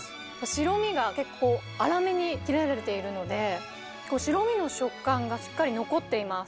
白身が結構粗めに切られているので、白身の食感がしっかり残っています。